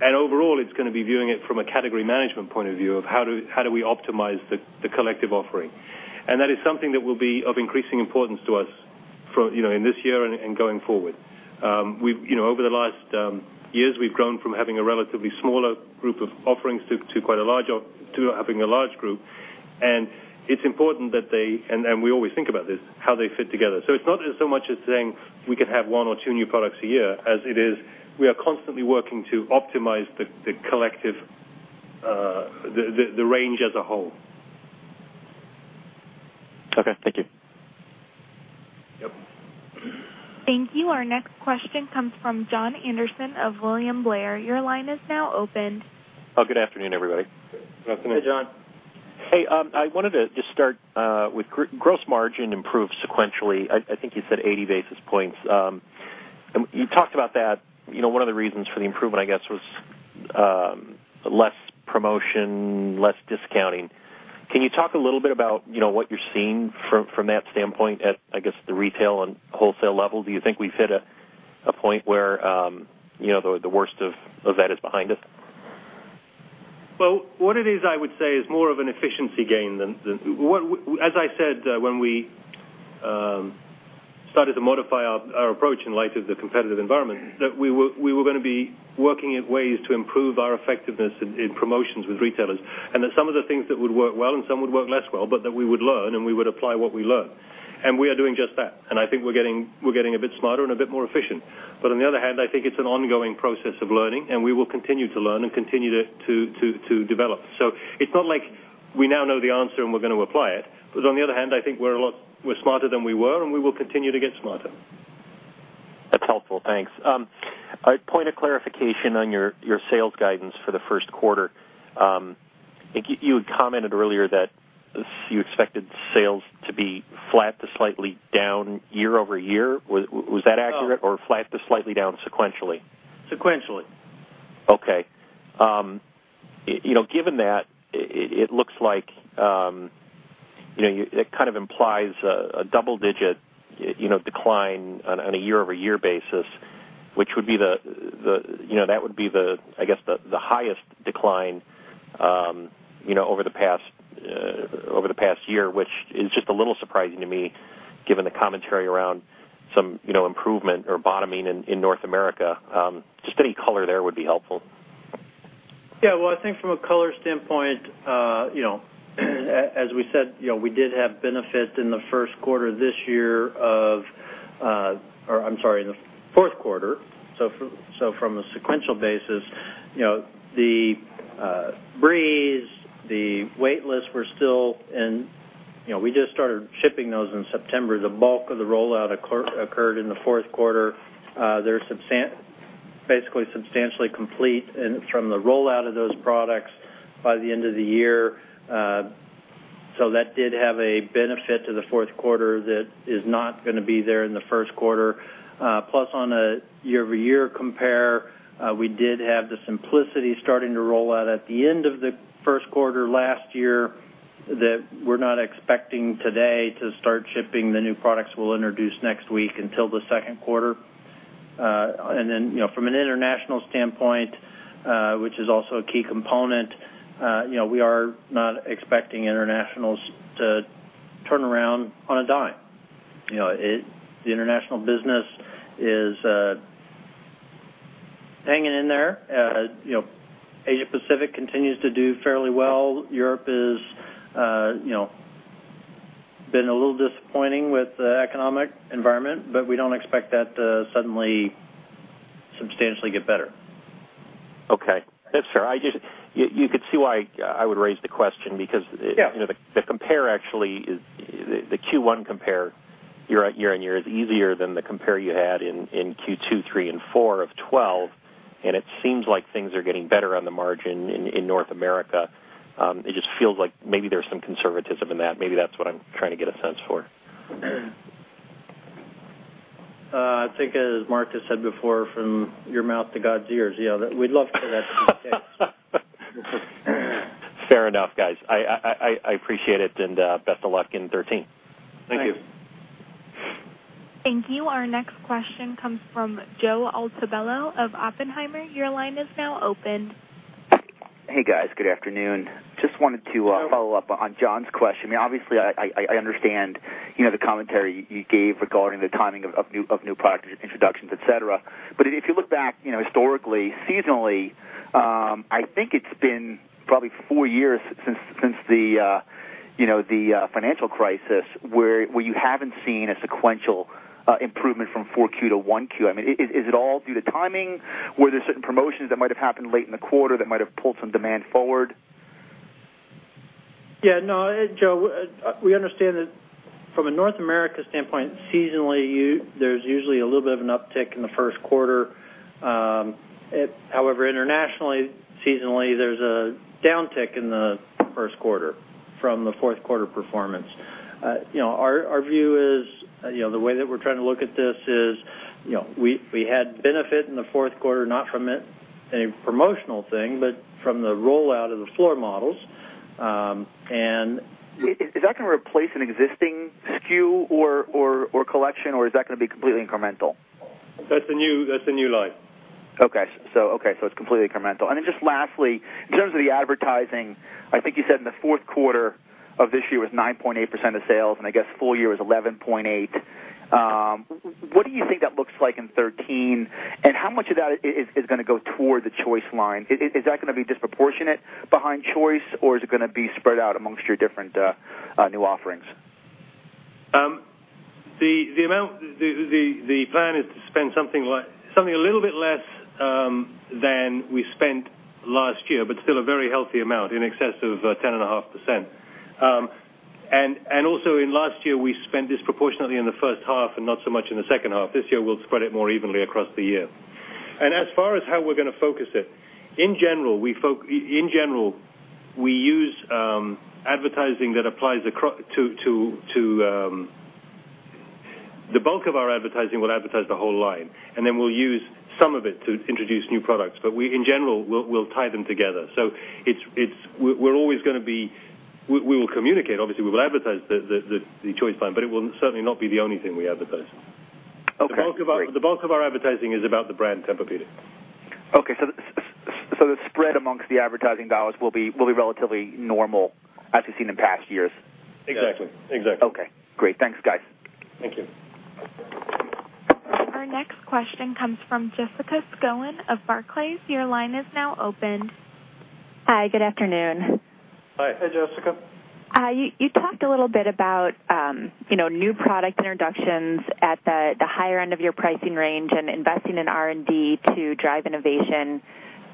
Overall, it's going to be viewing it from a category management point of view of how do we optimize the collective offering. That is something that will be of increasing importance to us in this year and going forward. Over the last years, we've grown from having a relatively smaller group of offerings to having a large group. It's important that they, and we always think about this, how they fit together. It's not so much as saying we can have one or two new products a year as it is, we are constantly working to optimize the range as a whole. Okay. Thank you. Yep. Thank you. Our next question comes from John Anderson of William Blair. Your line is now open. Good afternoon, everybody. Good afternoon. Hey, John. Hey. I wanted to just start with gross margin improved sequentially. I think you said 80 basis points. You talked about that one of the reasons for the improvement, I guess, was less promotion, less discounting. Can you talk a little bit about what you're seeing from that standpoint at, I guess, the retail and wholesale level? Do you think we've hit a point where the worst of that is behind us? Well, what it is, I would say, is more of an efficiency gain. As I said, when we started to modify our approach in light of the competitive environment, that we were going to be working at ways to improve our effectiveness in promotions with retailers, and that some of the things that would work well and some would work less well, but that we would learn, and we would apply what we learn. We are doing just that. I think we're getting a bit smarter and a bit more efficient. On the other hand, I think it's an ongoing process of learning, and we will continue to learn and continue to develop. It's not like we now know the answer, and we're going to apply it. On the other hand, I think we're smarter than we were, and we will continue to get smarter. That's helpful. Thanks. A point of clarification on your sales guidance for the first quarter I think you had commented earlier that you expected sales to be flat to slightly down year-over-year. Was that accurate? Or flat to slightly down sequentially? Sequentially. Okay. Given that, it looks like it implies a double-digit decline on a year-over-year basis, which that would be, I guess, the highest decline over the past year, which is just a little surprising to me given the commentary around some improvement or bottoming in North America. Just any color there would be helpful. Well, I think from a color standpoint, as we said, we did have benefit in the first quarter this year of Or, I'm sorry, the fourth quarter. From a sequential basis, the TEMPUR-Breeze, the TEMPUR-Weightless were still in. We just started shipping those in September. The bulk of the rollout occurred in the fourth quarter. They're basically substantially complete, and from the rollout of those products by the end of the year, that did have a benefit to the fourth quarter that is not going to be there in the first quarter. On a year-over-year compare, we did have the TEMPUR-Simplicity starting to roll out at the end of the first quarter last year that we are not expecting today to start shipping the new products we will introduce next week until the second quarter. From an international standpoint, which is also a key component, we are not expecting internationals to turn around on a dime. The international business is hanging in there. Asia Pacific continues to do fairly well. Europe has been a little disappointing with the economic environment, we don't expect that to suddenly substantially get better. Okay. That's fair. You could see why I would raise the question because- Yeah The Q1 compare year-on-year is easier than the compare you had in Q2, 3, and 4 of 2012, it seems like things are getting better on the margin in North America. It just feels like maybe there's some conservatism in that. Maybe that's what I'm trying to get a sense for. I think as Mark has said before, from your mouth to God's ears. Yeah, we'd love for that to be the case. Fair enough, guys. I appreciate it, and best of luck in 2013. Thank you. Thank you. Our next question comes from Joe Altobello of Oppenheimer. Your line is now open. Hey, guys. Good afternoon. Just wanted to follow up on John's question. Obviously, I understand the commentary you gave regarding the timing of new product introductions, et cetera. If you look back historically, seasonally, I think it's been probably four years since the financial crisis where you haven't seen a sequential improvement from 4Q to 1Q. Is it all due to timing? Were there certain promotions that might have happened late in the quarter that might have pulled some demand forward? Yeah. No, Joe, we understand that from a North America standpoint, seasonally, there's usually a little bit of an uptick in the first quarter. Internationally, seasonally, there's a downtick in the first quarter from the fourth quarter performance. Our view is, the way that we're trying to look at this is, we had benefit in the fourth quarter, not from a promotional thing, but from the rollout of the floor models. Is that going to replace an existing SKU or collection, or is that going to be completely incremental? That's the new line. Okay. It's completely incremental. Just lastly, in terms of the advertising, I think you said in the fourth quarter of this year was 9.8% of sales, and I guess full year was 11.8%. What do you think that looks like in 2013, and how much of that is going to go toward the TEMPUR-Choice line? Is that going to be disproportionate behind TEMPUR-Choice, or is it going to be spread out amongst your different new offerings? The plan is to spend something a little bit less than we spent last year, but still a very healthy amount, in excess of 10.5%. Also in last year, we spent disproportionately in the first half and not so much in the second half. This year, we'll spread it more evenly across the year. As far as how we're going to focus it, in general, we use advertising that applies to The bulk of our advertising will advertise the whole line, and then we'll use some of it to introduce new products. In general, we'll tie them together. We will communicate, obviously, we will advertise the TEMPUR-Choice line, but it will certainly not be the only thing we advertise. Okay, great. The bulk of our advertising is about the brand TEMPUR-Pedic. Okay. The spread amongst the advertising dollars will be relatively normal as we've seen in past years. Exactly. Okay, great. Thanks, guys. Thank you. Our next question comes from Jessica Skowronski of Barclays. Your line is now open. Hi, good afternoon. Hi. Hey, Jessica. You talked a little bit about new product introductions at the higher end of your pricing range and investing in R&D to drive innovation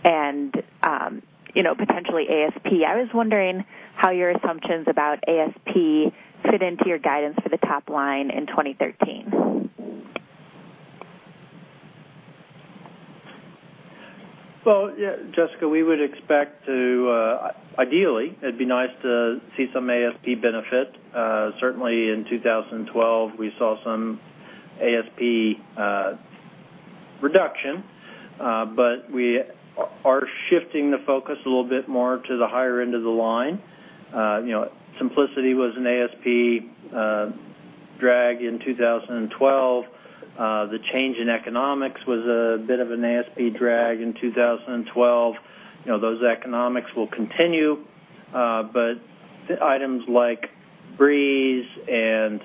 and potentially ASP. I was wondering how your assumptions about ASP fit into your guidance for the top line in 2013. Well, Jessica, ideally, it'd be nice to see some ASP benefit. Certainly in 2012, we saw some ASP reduction. We are shifting the focus a little bit more to the higher end of the line. TEMPUR-Simplicity was an ASP drag in 2012. The change in economics was a bit of an ASP drag in 2012. Those economics will continue. Items like Breeze and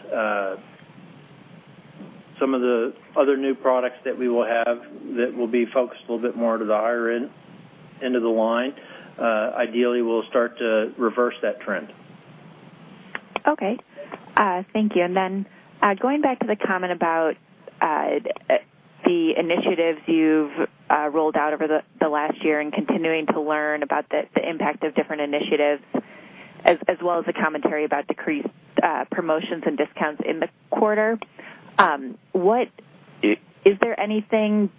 some of the other new products that we will have that will be focused a little bit more to the higher end of the line, ideally will start to reverse that trend. Okay. Thank you. Going back to the comment about the initiatives you've rolled out over the last year and continuing to learn about the impact of different initiatives, as well as the commentary about decreased promotions and discounts in the quarter. Is there anything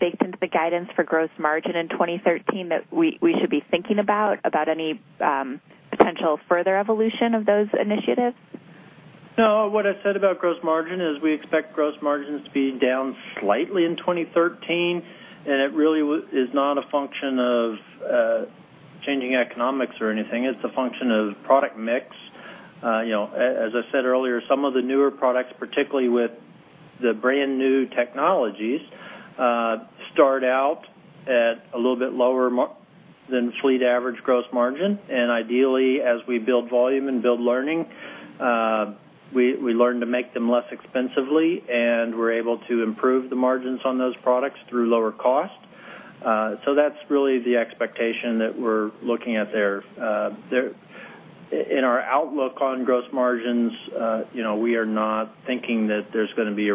baked into the guidance for gross margin in 2013 that we should be thinking about any potential further evolution of those initiatives? No. What I said about gross margin is we expect gross margins to be down slightly in 2013, it really is not a function of changing economics or anything. It's a function of product mix. As I said earlier, some of the newer products, particularly with the brand-new technologies start out at a little bit lower than fleet average gross margin. Ideally, as we build volume and build learning, we learn to make them less expensively, and we're able to improve the margins on those products through lower cost. That's really the expectation that we're looking at there. In our outlook on gross margins, we are not thinking that there's going to be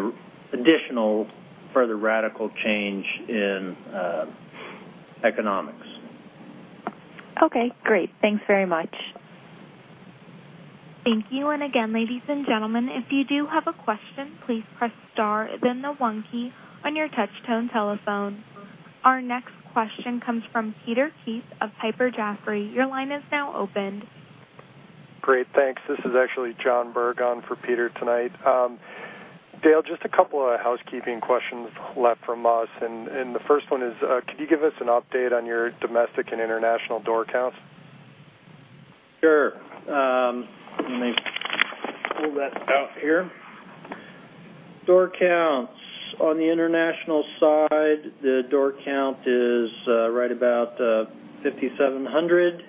additional further radical change in economics. Okay, great. Thanks very much. Thank you. Again, ladies and gentlemen, if you do have a question, please press star then the one key on your touch tone telephone. Our next question comes from Peter Keith of Piper Jaffray. Your line is now open. Great. Thanks. This is actually John Baugh for Peter tonight. Dale, just a couple of housekeeping questions left from us. The first one is could you give us an update on your domestic and international door counts? Sure. Let me pull that out here. Door counts. On the international side, the door count is right about 5,700.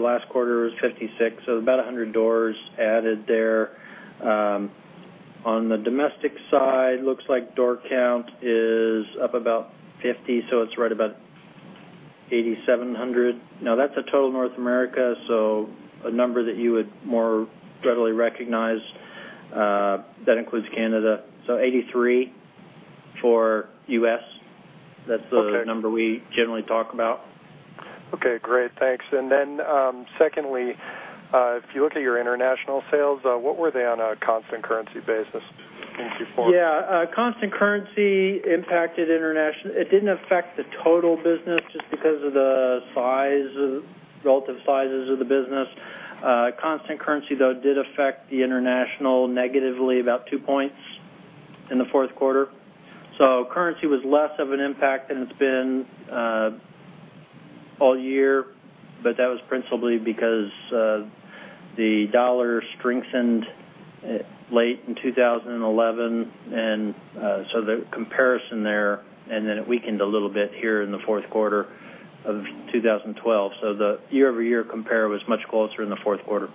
Last quarter was 56, so about 100 doors added there. On the domestic side, looks like door count is up about 50, so it's right about 8,700. Now, that's a total of North America, so a number that you would more readily recognize that includes Canada. 83 for U.S. Okay. That's the number we generally talk about. Okay, great. Thanks. Then secondly, if you look at your international sales, what were they on a constant currency basis in Q4? Yeah. Constant currency impacted international. It didn't affect the total business just because of the relative sizes of the business. Constant currency, though, did affect the international negatively about two points in the fourth quarter. Currency was less of an impact than it's been all year, but that was principally because the dollar strengthened late in 2011. The comparison there, and then it weakened a little bit here in the fourth quarter of 2012. The year-over-year compare was much closer in the fourth quarter.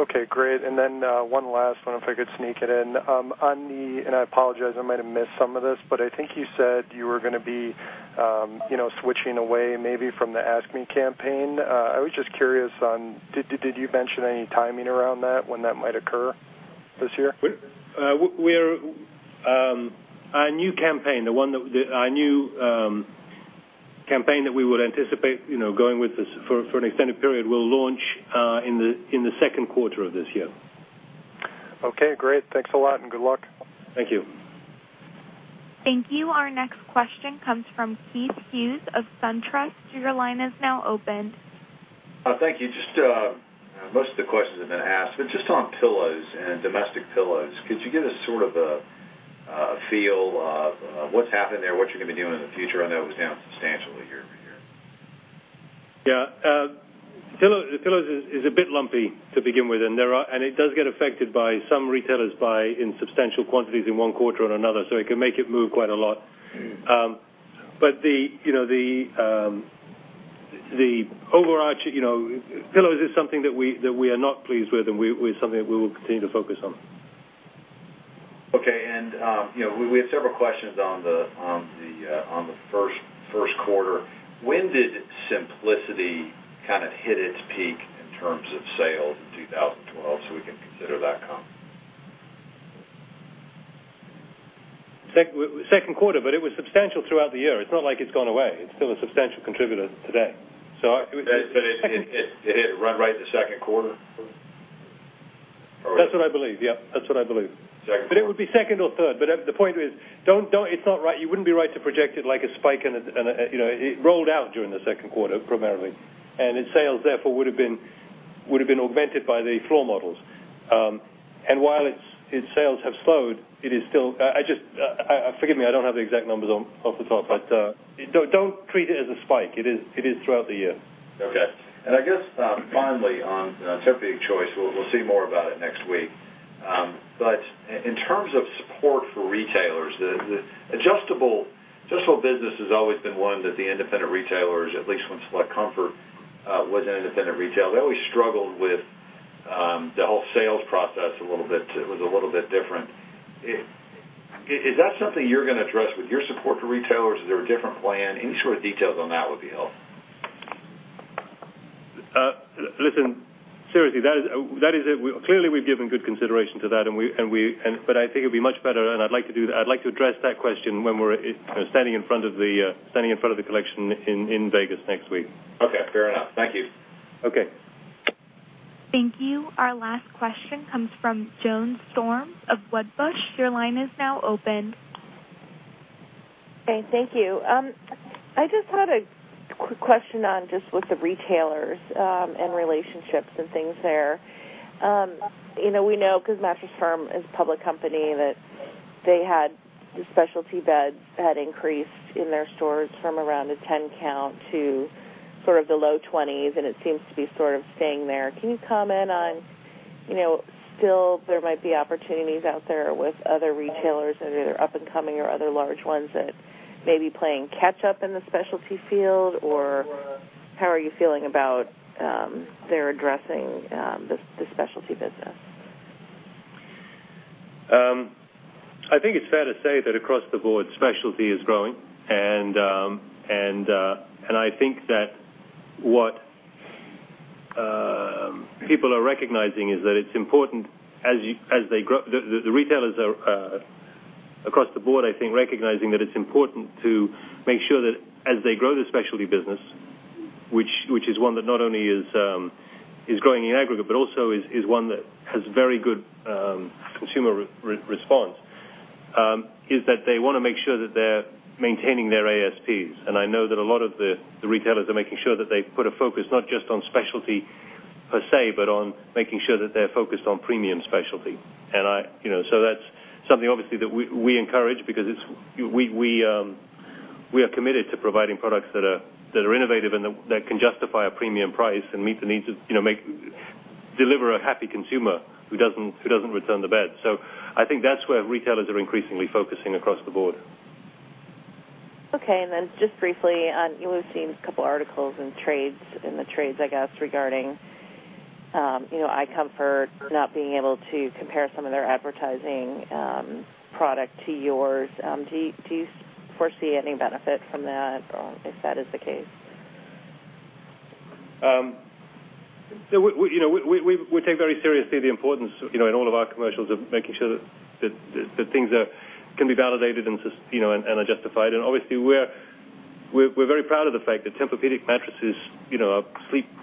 Okay, great. One last one, if I could sneak it in. On the, I apologize I might have missed some of this, but I think you said you were going to be switching away maybe from the Ask Me campaign. I was just curious on, did you mention any timing around that, when that might occur this year? Our new campaign that we would anticipate going with this for an extended period will launch in the second quarter of this year. Okay, great. Thanks a lot and good luck. Thank you. Thank you. Our next question comes from Keith Hughes of SunTrust. Your line is now open. Thank you. Most of the questions have been asked, but just on pillows and domestic pillows, could you give us sort of a feel of what's happened there, what you're going to be doing in the future? I know it was down substantially year-over-year. Yeah. Pillows is a bit lumpy to begin with, and it does get affected by some retailers buy in substantial quantities in one quarter or another, so it can make it move quite a lot. Pillows is something that we are not pleased with, and something that we will continue to focus on. Okay. We had several questions on the first quarter. When did TEMPUR-Simplicity kind of hit its peak in terms of sales in 2012 so we can consider that comp? Second quarter, it was substantial throughout the year. It's not like it's gone away. It's still a substantial contributor today. It hit right the second quarter? That's what I believe. Yep. That's what I believe. Second quarter. It would be second or third, but the point is you wouldn't be right to project it like a spike. It rolled out during the second quarter primarily, and its sales therefore would've been augmented by the floor models. While its sales have slowed, forgive me, I don't have the exact numbers off the top, but don't treat it as a spike. It is throughout the year. Okay. I guess, finally, on TEMPUR-Choice, we'll see more about it next week. In terms of support for retailers, the adjustable business has always been one that the independent retailers, at least when Select Comfort was an independent retailer, they always struggled with the whole sales process a little bit. It was a little bit different. Is that something you're going to address with your support to retailers? Is there a different plan? Any sort of details on that would be helpful. Listen, seriously, clearly we've given good consideration to that, but I think it'd be much better and I'd like to address that question when we're standing in front of the collection in Vegas next week. Okay, fair enough. Thank you. Okay. Thank you. Our last question comes from Joan Storms of Wedbush. Your line is now open. Okay, thank you. I just had a quick question on just with the retailers, and relationships and things there. We know because Mattress Firm is a public company, that they had the specialty beds had increased in their stores from around a 10 count to sort of the low 20s, and it seems to be sort of staying there. Can you comment on still there might be opportunities out there with other retailers that are either up and coming or other large ones that may be playing catch up in the specialty field, or how are you feeling about their addressing the specialty business? I think it's fair to say that across the board, specialty is growing and I think that what people are recognizing is that it's important as they grow. The retailers are, across the board, I think, recognizing that it's important to make sure that as they grow the specialty business, which is one that not only is growing in aggregate, but also is one that has very good consumer response, is that they want to make sure that they're maintaining their ASPs. I know that a lot of the retailers are making sure that they put a focus not just on specialty per se, but on making sure that they're focused on premium specialty. That's something obviously that we encourage because we are committed to providing products that are innovative and that can justify a premium price and meet the needs of, deliver a happy consumer who doesn't return the bed. I think that's where retailers are increasingly focusing across the board. Just briefly, we've seen a couple articles in the trades, I guess, regarding iComfort not being able to compare some of their advertising product to yours. Do you foresee any benefit from that, or if that is the case? We take very seriously the importance in all of our commercials of making sure that things can be validated and are justified. Obviously, we're very proud of the fact that Tempur-Pedic mattresses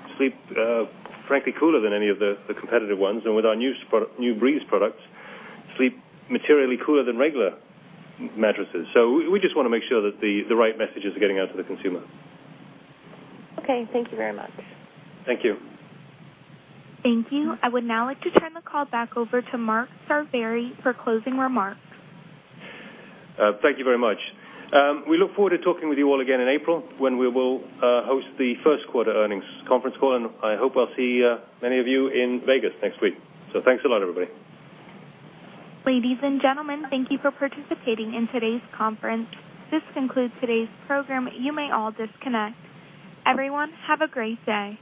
sleep frankly cooler than any of the competitive ones, and with our new Breeze products, sleep materially cooler than regular mattresses. We just want to make sure that the right message is getting out to the consumer. Thank you very much. Thank you. Thank you. I would now like to turn the call back over to Mark Sarbury for closing remarks. Thank you very much. We look forward to talking with you all again in April when we will host the first quarter earnings conference call, and I hope I'll see many of you in Vegas next week. Thanks a lot, everybody. Ladies and gentlemen, thank you for participating in today's conference. This concludes today's program. You may all disconnect. Everyone, have a great day.